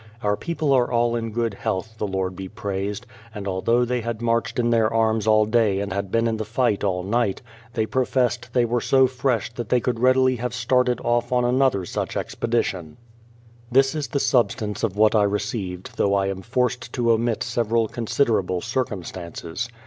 Our people are all in good health, the Lord be praised, and although they had marched in their arms all day and had been in the fight all night, they professed they were so fresh that they could readily have started off on another such expedition. *But they were taken to the West Indies. THE PLYIMOUTH SETTLEMENT 291 This is the substance of what I received, though I am forced to omit several considerable circumstances.